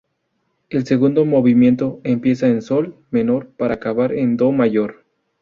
El segundo movimiento empieza en Sol menor para acabar en Do Mayor.